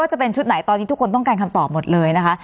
ตอนนี้ทุกคนต้องการคำตอบหมดเลยนะคะ